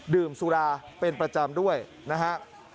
ดื่มสุราเป็นประจำด้วยนะฮะ